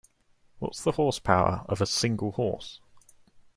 What's the horsepower of a single horse?